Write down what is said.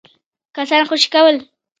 کسان خوشي کول.